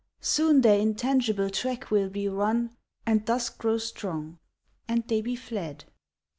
Soon their intangible track will be run, And dusk grow strong And they be fled.